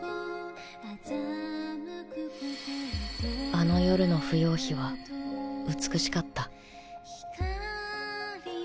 あの夜の芙蓉妃は美しかった